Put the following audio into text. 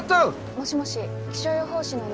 もしもし気象予報士の永浦です。